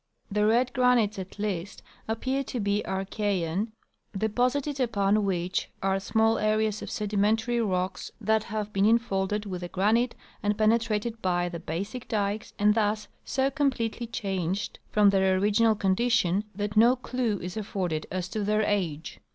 The red granites, at least, appear to be Archean, de posited upon which are small areas of sedimentary rocks that have been infolded with the granite and penetrated by the basic dikes and thus so completely changed from their original con dition that no clue is afforded as to their age.